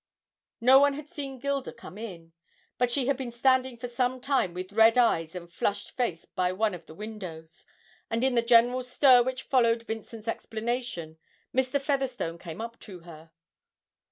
No one had seen Gilda come in, but she had been standing for some time with red eyes and flushed face by one of the windows, and in the general stir which followed Vincent's explanation Mr. Featherstone came up to her.